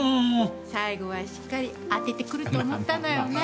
最後はしっかり当ててくると思ったのよね。